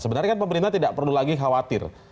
sebenarnya kan pemerintah tidak perlu lagi khawatir